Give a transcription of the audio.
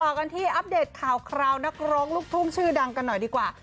กันที่อัปเดตข่าวคราวนักร้องลูกทุ่งชื่อดังกันหน่อยดีกว่า